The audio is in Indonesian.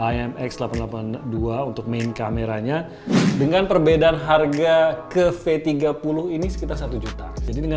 imx delapan ratus delapan puluh dua untuk main kameranya dengan perbedaan harga ke v tiga puluh ini sekitar satu juta jadi dengan